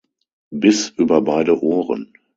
Bis über beide Ohren!